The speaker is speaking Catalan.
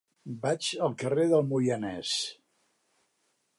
Vaig al carrer del Moianès.